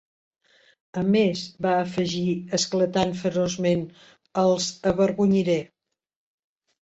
"A més," va afegir, esclatant feroçment, "els avergonyiré".